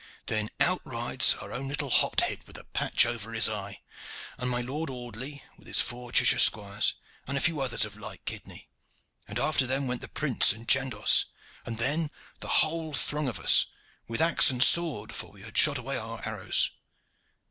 Then out rides our own little hothead with the patch over his eye, and my Lord Audley with his four Cheshire squires, and a few others of like kidney, and after them went the prince and Chandos, and then the whole throng of us, with axe and sword, for we had shot away our arrows.